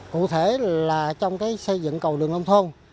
cụ thể là trong cái xây dựng cầu đường nông thôn